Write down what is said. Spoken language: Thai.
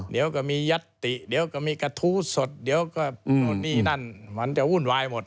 เดี๋ยวก็มียัตติเดี๋ยวก็มีกระทู้สดเดี๋ยวก็นู่นนี่นั่นมันจะวุ่นวายหมด